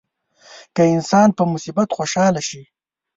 که انسان په مصیبت خوشاله شي.